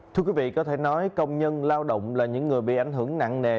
thưa quý vị có thể nói công nhân lao động là những người bị ảnh hưởng nặng nề